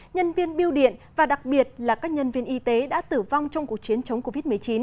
nhân viên biêu điện và đặc biệt là các nhân viên y tế đã tử vong trong cuộc chiến chống covid một mươi chín